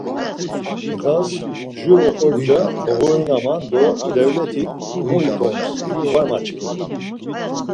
Ndğaz jur oxorca oğuinaman do devletik mu ikoms var maçkinen.